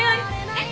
えっ！？